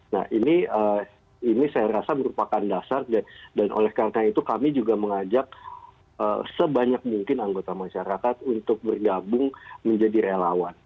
nah ini saya rasa merupakan dasar dan oleh karena itu kami juga mengajak sebanyak mungkin anggota masyarakat untuk bergabung menjadi relawan